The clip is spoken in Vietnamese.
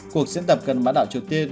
cuộc diễn tập gần bãi đảo triều tiên